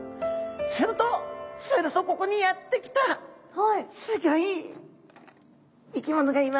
するとするとここにやって来たすギョい生き物がいます。